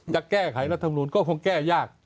จะแก้ไขรัฐมนูลก็คงแก้ยาก